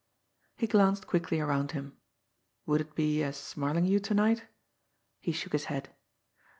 He glanced quickly around him. Would it be as Smarlinghue to night? He shook his head.